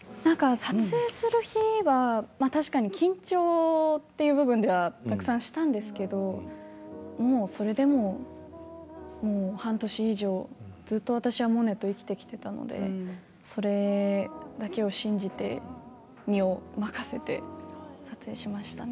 撮影する日は確かに緊張という部分ではたくさんしたんですけどそれでももう半年以上ずっと私はモネと生きてきたのでそれだけを信じて、身を任せて撮影しましたね。